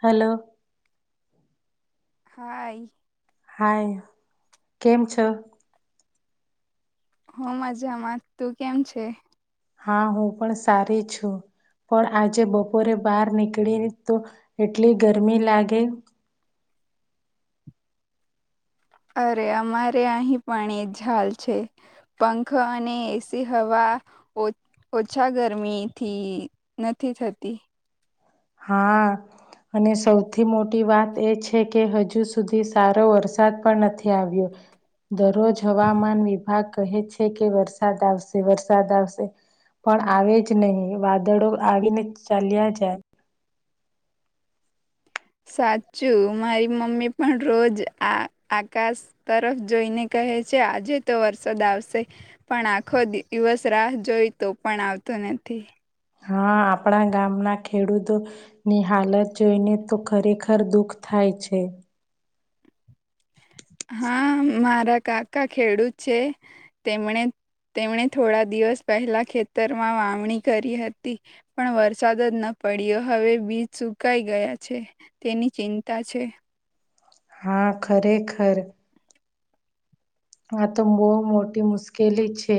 Hello. હા. Hi કેમ છ. હ મજામાં તું કેમ છે હા હું પણ સારી છું. પણ આજે બપોરે બહાર નીકળી તો એટલી ગરમી લાગે. અરે અમારે અહીં પણ એ લ છે પંખો અને એસી હવા ઓછા ગરમીથી નથી થતી. હા. અને સૌથી મોટી વાત એ છે કે હજુ સુધી સારો વરસાદ પણ નથી આવ્યો. દરરોજ હવામાન વિભાગ. કહે છે કે વરસાદ આવશે વરસાદ આવશે. પણ આવે જ નહીિ વાદળો આવીને ચાલ્યા જાય. સાચું મારી મમ્મી પણ રોજ આ આકાશ તરફ જોઈને કહે છે આજે તો વરસાદ આવશે પણ આખો દિવસ રાહ જોઈ તો પણ આવતો નથી. અનેથી [inaudible] હા આપણા ગામ ના ખેડૂતો ની હાલત જોઈને તો ખરેખર દુઃખ થાય છે હા મારા કાકા ખેડૂત છે તેમણે તેમણે થોડા દિવસ પહેલા ખેતરમાં વાવણી કરી હતી પણ વરસાદ જ ન પડીયો હવે બીજ સુકાઈ ગયા છે તેની ચિંતા છે હા ખરેખર આ તો બહુ મોટી મુશ્કેલી છે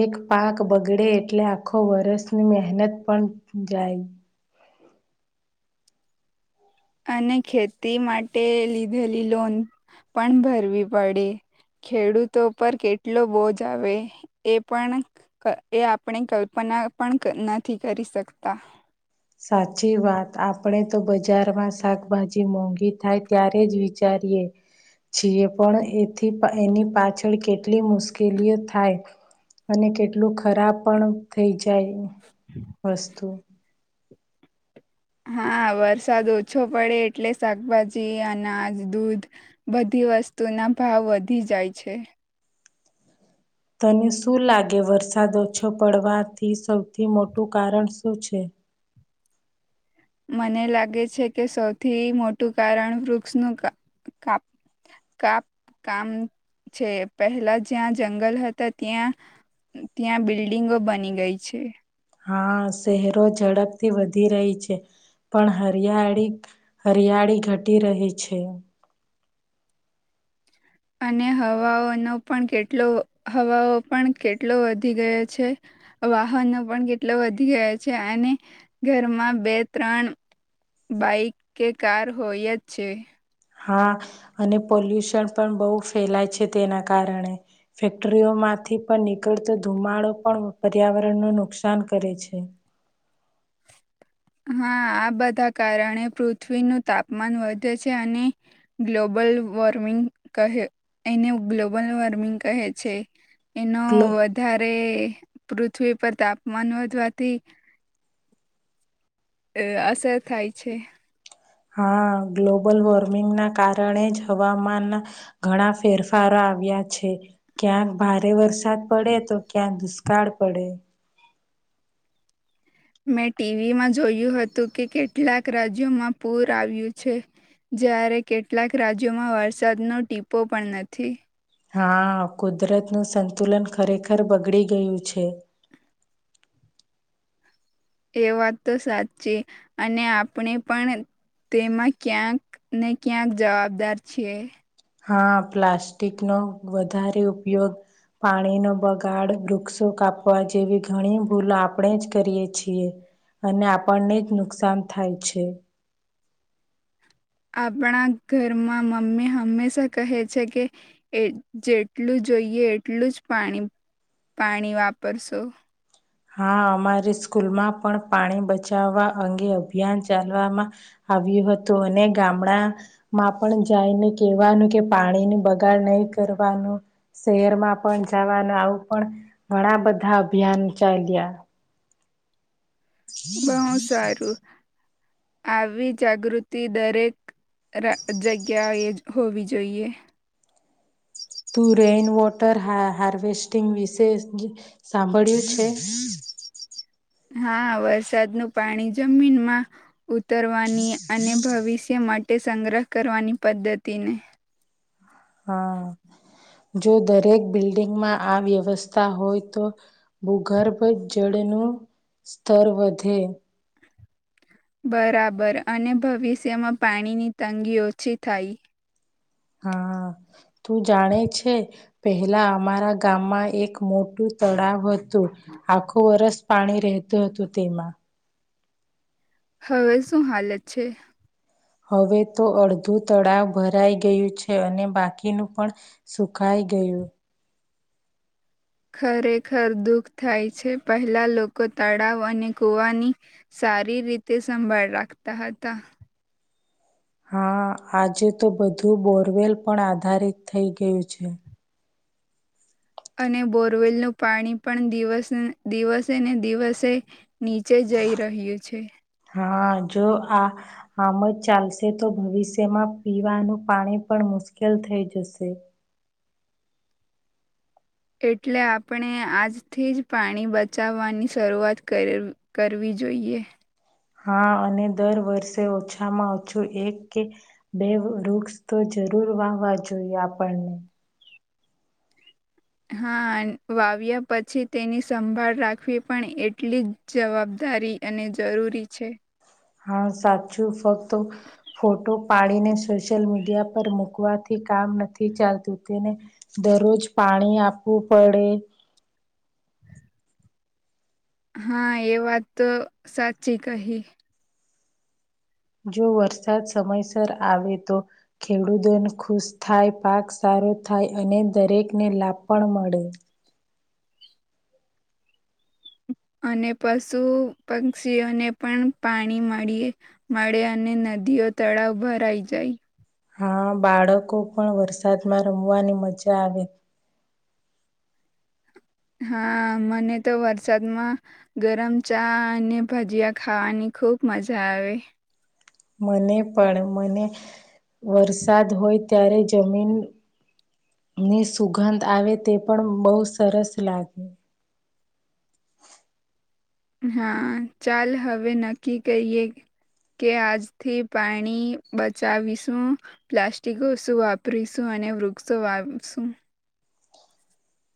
એક પાક બગડે એટલે આખો વ વરસની મહેનત પણ જાય અને ખેતી માટે લીધેલી લોન પણ ભરવી પડે ખેડૂતો પર કેટલો બોજ આવે એ પણ એ આપણે કલ્પના પણ નથી કરી શકતા સાચી વાત આપણે તો બજારમાં શાકભાજી મોંઘી થાય ત્યારે જ વિચાર કરીએ છીએ પણ એથી એની પાછળ કેટલી મુશ્કેલીઓ થાય અને કેટલું ખરાબ પણ થઈ જાય વસ્તુ હા વરસાદ ઓછો પડે એટલે શાકભાજી અનાજ દૂધ બધી વસ્તુના ભાવ વધી જાય છે તને શું લાગે વરસાદ ઓછો પડવાથી સૌથી મોટું કારણ શું છે [inaudible] મને લાગે છે કે સૌથી મોટું કારણ વૃક્ષનું કાપ કાપ કામ છે પહેલા જ્યાં જંગલ હતા ત્યાં ત્યાં બિલ્ડિંગો બની ગઈ છે હા શહેરો ઝડપથી વધી રહી છે પણ હરિયાળી હરિયા યાળી ઘટી રહી છે અને હવાઓનો પણ કેટલો હવાઓ પણ કેટલો વધી ગયો છે વાહનો પણ કેટલો વધી ગયા છે અને ઘરમાં બે ત્રણ બાઈક કે કાર હોય જ છે હા અને પોલ્યુશન પણ બહુ ફેલાય છે તેના કારણે ફેક્ટરીઓમાં માંથી પણ નીકળતો ધુમાડો પણ પર્યાવરણ નું નુકસાન કરે છે હા આ બધા કારણે પૃથ્વીનું તાપમાન વધે છે અને ગ્લોબ બલ વોર્મિંગ ક એને ગ્લોબલ વોર્મિંગ કહે છે એનો ગ્લો વધારે પૃથ્વી પર તાપમાન વધવાથી અ અસર થાય છે હા ગ્લોબલ વોર્મિંગ ના કારણે જ હવામાનના ઘણા ફેરફારો આવ્યા છે ક્યાંક ભારે વરસાદ પડે તો ક્યાંક દુષ્કાળ પડે મેં ટીવીમાં જોયું હતું કે કેટલાક રાજ્યોમાં પૂર આવ્યું છે જ્યારે કેટલાક રાજ્યોમાં વરસાદનો ટીપો પણ નથી હા કુદરતનું સંતુલન ખરેખર બગડી ગયું છે [inaudible] એ વાત તો સાચી અને આપણે પણ તેમાં ક્યાંક ને ક્યાંક જવાબદાર છે હા પ્લાસ્ટિક નો વધારે ઉપયોગ પાણીનો બગાડ વૃક્ષો કાપવા જેવી ઘણી ભૂલો આપણે જ કરીએ છીએ અને આપણને જ નુકસાન થાય છે આપણા ઘરમાં મમ્મી હંમેશા કહે છે કે જેટલું જ જોઈએ એટલું જ પાણી પાણી વાપરશો હા અમારી સ્કૂલમાં પણ પાણી બચાવવા અંગે અભિયાન ચાલવામાં આવ્યું હતું અને ગામડા માં પણ જઈને કહેવાનું કે પાણીની બગાડ નહી કરવાનું શહેરમાં પણ જવાનું આવું પણ ઘણા બધા અભિયાન ચાલીયા બહુ સારું આવી જાગૃતિ દરેક રા જગ્યાએ જ હોવી જોઈએ [inaudible] તું રેઈન વોટર હા હાર્વેસ્ટિંગ વિશે સાંભળ્યું છે. [inaudible] હા વરસાદનું પાણી જમીનમાં ઉતરવાની અને ભવિષ્ય માટે સંગ્રહ કરવાની પદ્ધતિને હા. જો દરેક બિલ્ડિંગમાં આ વ્યવસ્થા હોય તો ભૂગર્ભ જળ નું સ્તર વધે બરાબર અને ભવિષ્યમાં પાણીની તંગી ઓછી થાય હા તું જાણે છે. પહેલા અમારા ગામમાં એક મોટું તળાવ હતું આખું વર્ષ પાણી રેહ તું હતુ તેમાં હવે શું હાલત છે. હવે તો અડધું તળાવ ભરાઈ ગયું છે, અને બાકીનું પણ સુખાય ગેયુ. ખરેખર દુઃખ થાય છે, હેલા લોકો તળાવ અને કૂવાની સારી રીતે સંભાળ રાખતા હતા હા આજે તો બધું બોરવેલ પણ આધારિત થઈ ગયું છે. અને બોરવેલનું પાણી પણ દિવસે દિવસે ને દિવસે નીચે જ જઈ રહ્યું છે. હા જો આ આમ જ ચાલશે તો ભવિષ્યમાં પીવાનું પાણી પણ મુશ્કેલ થઈ જશે એટલે આપણે આજથી જ પાણી બચાવવાની શરૂઆત કર કરવી જોઈએ. હા અને દર વર્ષે ઓછામાં ઓછું એક કે બે વૃક્ષ તો જરૂર વાહવા જોઈએ આપણને હા વાવ્યા પછી તેની સંભાળ રાખવી પણ એટલી જ જવાબ દારી અને જરૂરી છે. હા સાચું ફક્ત ફોટો પાડીને સોશિયલ મીડિયા પર મુકવાથી કામ નથી ચાલતું તેને દરરોજ પાણી આપવું પડે હા એ વાત તો સાચી કહી જો વરસાદ સમયસર આવે તો ખેડૂતોને ખુશ થાય પાક સા રો થાય અને દરેક ને લાભ પણ મળે અને પશુ પક્ષીઓને પણ પાણી મળી મળે અને ન દીઓ તળાવ ભરાઈ જાય હા બાળકો પણ વરસાદમાં રમવાની મજા આવે હા મને તો વરસાદમાં ગરમ ચા અને ભજીયા ખાવાની ખુબ મજા આવે મને પણ મને વરસાદ હોય ત્યારે જમીન ની સુગંધ આવે તે પણ બહુ સરસ લાગે હ હા ચાલ હવે નક્કી કરીએ કે આજથી પાણી બચાવીશું પ્લાસ્ટિક ઓસું વાપરીશું અને વૃક્ષો વાપશું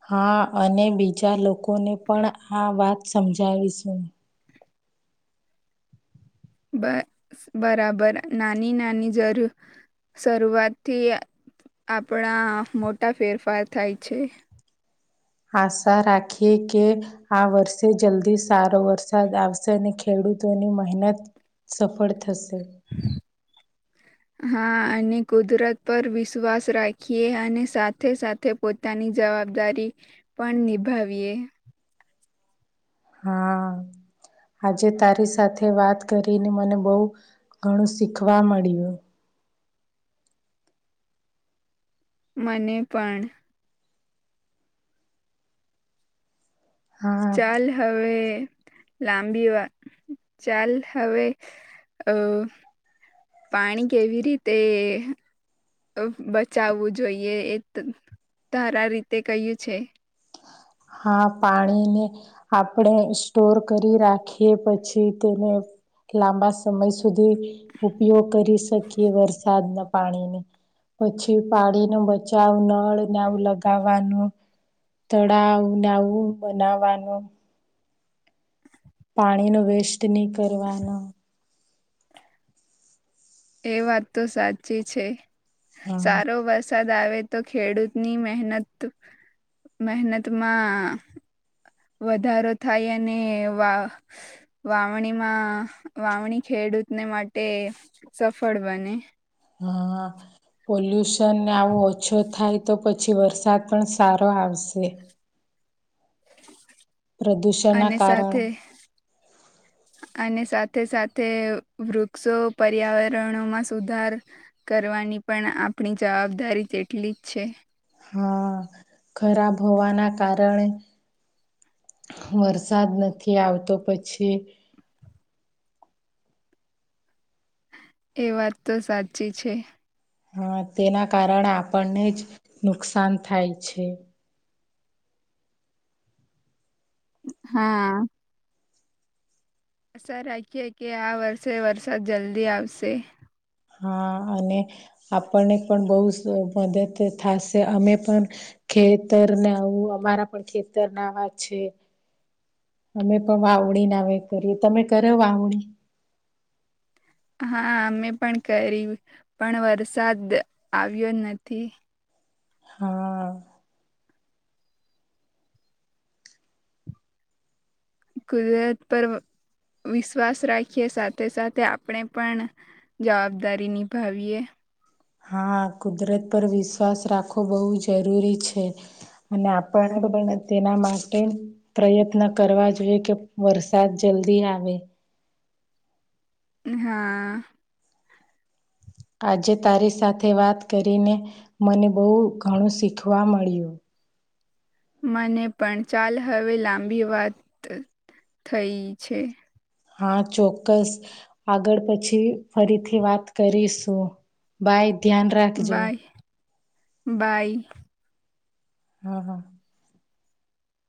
હા અને બીજા લોકોને પણ આ વાત સમજાવીશું બ બરાબર નાની નાની જરૂર શરૂઆતથી આપણા મોટા ફેરફાર થાય છે. આશા રાખીએ કે આ વર્ષે જલ્દી સારો વરસાદ આવશે ને ખેડુ ખેડૂતોની મહેનત સફળ થશે હા અને કુદરત પર વિશ્વાસ રાખીએ અને સાથે સાથે પોતાની જવાબદારી પણ નિભાવીએ [unintelligible] હા આજે તારી સાથે વાત કરીને મને બહુ ઘણું શીખવા મળ્યું મને પણ હા, ચાલ હવે લાંબી વાત ચાલ હવે અ પાણી કેવી રીતે બચાવવું જોઈએ એ ધારા રીતે કહ્યું છે હા પાણીને આપણેે સ્ટોર કરી રાખીએ પછી તેને લાંબા સમય સુધી ઉપયોગ કરી શકીએ વરસાદના પાણીને પછી પાણી ન બચાવ નળને આવ લગાવવાનું ત તાવું ના આવું બનાવવાનું પાણીનો વેસ્ટ નહી કરવાનો એ વાત તો સાચી છે હા સારો બસ વરસાદ આવે તો ખેડૂતની મહેનત મહેનતમાં વધારો થાય અને વા વાવણીમાં વાવણી ખેડ ખેડૂતને માટે સફળ બને હા પલ્યુશન આવું ઓછ થાય તો પછી વરસાદ પણ સારો આવશે અને પ્રદૂષણના કારણે સાથે અને સાથે સાથે વૃક્ષો પર્યાવરણોમાં સુધાર કરવાની પણ આપણી જવાબદારી તેટલી જ છે હા ખરાબ હોવાના કારણે વરસાદ નથી આવતો પછી એ વાત તો સાચી છે હા તેના કારણે આપણને જ નુકસાન થાય છે હા આશા રાખીએ કે આ વર્ષે વરસાદ જલ્દી આવશે હા અને આપણને પણ બહ મદદ થશે અમે પણ ખેતરને આવું અમારા પણ ખેતર નાવા છે અમે પણ વાવડી ના વ કરીએ તમે કરો વાવણી હા અમે પણ કરી પણ વરસાદ આવ્યો નથી હા કુદરત પર્વ વિશ્વાસ રાખીએ સાથે સાથે આપણે પણ જવાબદારી નિભાવીએ હા કુદરત પર વિશ્વાસ રાખવો બહુ જરૂરી છે અને આપણ બને તેના માટે પ્રયત્ન કરવા જોઈએ કે વરસાદ જલ્દી આવે હા આજે તારી સાથે વાત કરીને મને બહુ ઘણું શીખવા મળ્યું મને પણ ચાલ હવે લાંબી વાત થ થઈ છે હા ચોક્કસ આગળ પછી ફરીથી વાત કરીશું બાઈ ધ્યાન રાખજો બાય બાય હા હા